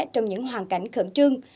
trong những hoàn cảnh khẩn trương